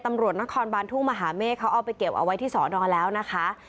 ตำรวจนครบานทุ่งมหาเมฆเขาเอาไปเก็บเอาไว้ที่สอนอแล้วนะคะ